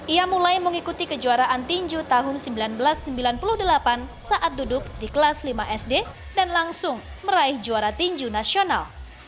ia mulai mengikuti kejuaraan tinju tahun seribu sembilan ratus sembilan puluh delapan saat duduk di kelas lima sd dan langsung meraih juara tinju nasional